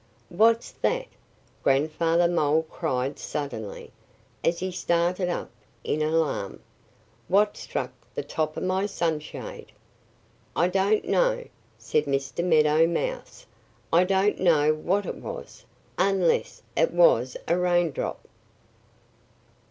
"What's that?" Grandfather Mole cried suddenly, as he started up in alarm. "What struck the top of my sunshade?" "I don't know," said Mr. Meadow Mouse. "I don't know what it was, unless it was a rain drop."